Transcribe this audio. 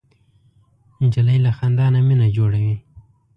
نجلۍ له خندا نه مینه جوړوي.